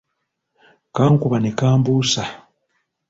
Kankuba ne kambuusa.